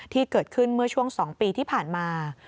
ที่เกิดขึ้นเมื่อช่วง๒ปีที่ผ่านมา